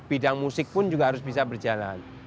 bidang musik pun juga harus bisa berjalan